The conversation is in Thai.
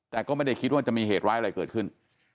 แต่ก็ไม่ได้คิดว่าจะมีเหตุร้ายอะไรเกิดขึ้น